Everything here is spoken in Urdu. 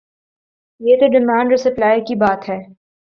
یہ تو ڈیمانڈ اور سپلائی کی بات ہے۔